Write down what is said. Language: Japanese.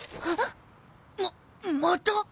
あっ。ままた！？